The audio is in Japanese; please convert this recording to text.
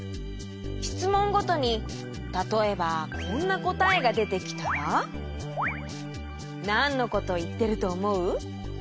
しつもんごとにたとえばこんなこたえがでてきたらなんのこといってるとおもう？